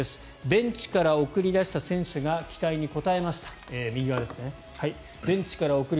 ベンチから送り出した選手が期待に応えました。